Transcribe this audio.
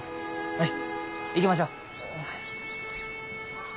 はい行きましょう。